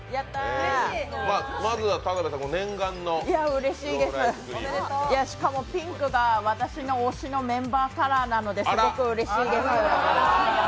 うれしいです、しかもピンクが私の推しのメンバーカラーなので、すごくうれしいです。